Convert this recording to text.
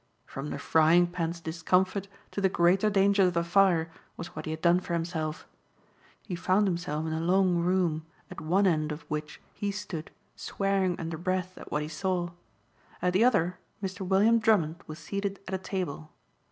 From the frying pan's discomfort to the greater dangers of the fire was what he had done for himself. He found himself in a long room at one end of which he stood, swearing under breath at what he saw. At the other Mr. William Drummond was seated at a table.